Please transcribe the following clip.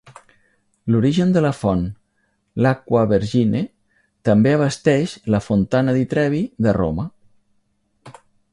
L'origen de la font, l'Acqua Vergine, també abasteix la Fontana di Trevi de Roma.